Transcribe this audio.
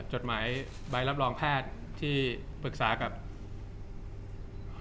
จากความไม่เข้าจันทร์ของผู้ใหญ่ของพ่อกับแม่